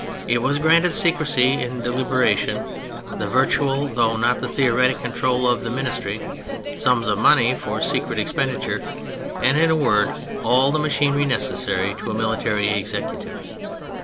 It was granted secrecy in deliberation, the virtual though not the theoretic control of the Ministry, sums of money for secret expen diture, and, in a word, all the machinery necessary to a military executive.